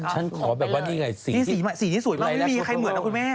ฉันขอแบบว่านี่ไงสีที่สวยมากไม่มีใครเหมือนนะคุณแม่